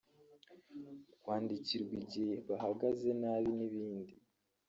kwandikirwa igihe bahagaze nabi n’ibindi